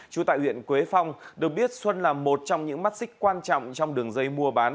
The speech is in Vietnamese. trú tại huyện quế phong được biết xuân là một trong những mắt xích quan trọng trong đường dây mua bán